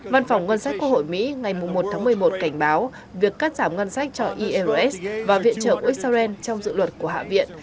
văn phòng ngân sách quốc hội mỹ ngày một tháng một mươi một cảnh báo việc cắt giảm ngân sách cho irs và viện trợ của israel trong dự luật của hạ viện